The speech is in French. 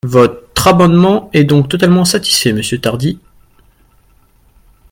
Votre amendement est donc totalement satisfait, monsieur Tardy.